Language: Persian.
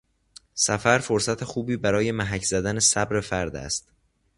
سفر، فرصت خوبی برای محک زدن صبر فرد است